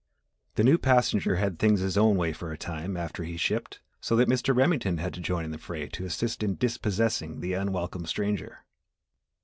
The new passenger had things his own way for a time after he shipped so that Mr. Remington had to join in the fray to assist in dispossessing the unwelcome stranger.